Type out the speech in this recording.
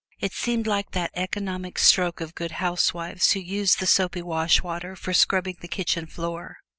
It seemed like that economic stroke of good housewives who use the soapy wash water for scrubbing the kitchen floor.